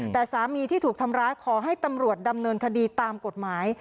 แต่สามีที่ถูกทำร้ายขอให้ตำรวจดำเนินคดีตามกฎหมาย